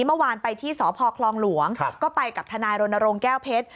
เมื่อวานไปที่สพคลองหลวงก็ไปกับทนายรณรงค์แก้วเพชร